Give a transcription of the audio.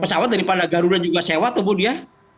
pesawat daripada garuda juga sewa tuh budi ya